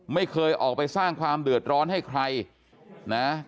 ไม่เคยออกไปสร้างความเดือดร้อนให้ใครนะ